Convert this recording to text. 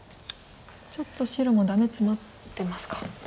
ちょっと白もダメツマってますか。